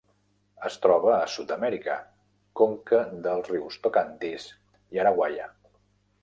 Es troba a Sud-amèrica: conca dels rius Tocantins i Araguaia.